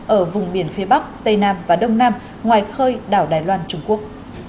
ở vùng biển phía bắc tây nam và đông nam ngoài khơi đảo đài loan trung quốc